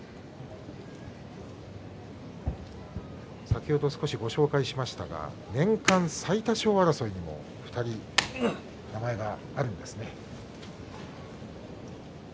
先ほど少しご紹介しましたが年間最多勝争いにも２人名前があるんですね。